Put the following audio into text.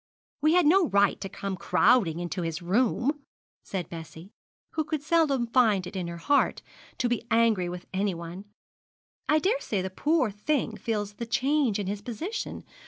'We had no right to come crowding into his room,' said Bessie, who could seldom find it in her heart to be angry with anyone. 'I daresay the poor thing feels the change in his position.